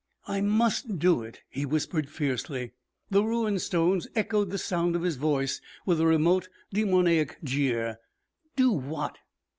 "I must do it!" he whispered fiercely. The ruined stones echoed the sound of his voice with a remote demoniac jeer. Do what?